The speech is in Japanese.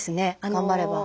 頑張れば。